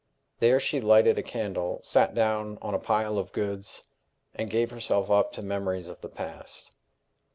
There she lighted a candle, sat down on a pile of goods, and gave herself up to memories of the past.